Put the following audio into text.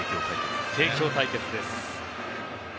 帝京対決です。